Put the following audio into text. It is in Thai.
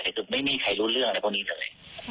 แต่ไม่มีใครรู้เรื่องในพวกนี้เลย